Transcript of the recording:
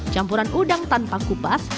campuran udang tanpa kupas